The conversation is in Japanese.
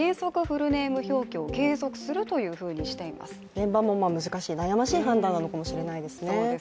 現場も難しい、悩ましい判断なのかもしれないですね。